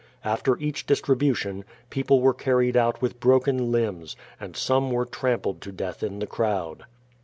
After each distribution, peo ple were carried out with broken limbs, and some were trampled to death in the crowd.